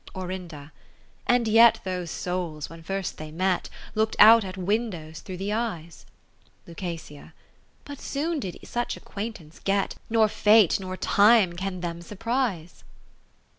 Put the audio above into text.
Orin. And yet those Souls, when first they met, Lookt out at windows through the eyes. 10 Luc. But soon did such acquaint ance get. Nor Fate nor Time can them surprise.